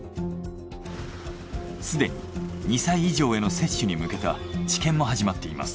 すでに２歳以上への接種に向けた治験も始まっています。